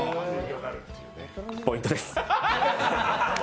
ポイントです。